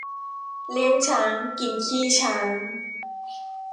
เลี้ยงช้างกินขี้ช้าง